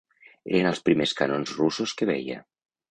Eren els primers canons russos que veia